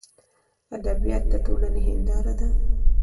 ادبیات دټولني هنداره ده.